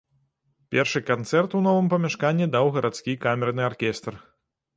Першы канцэрт у новым памяшканні даў гарадскі камерны аркестр.